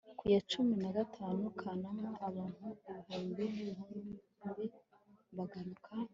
ku ya cumi na gatanu kanama, abantu ibihumbi n'ibihumbi baguruka